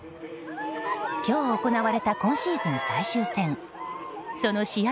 今日行われた今シーズン最終戦その試合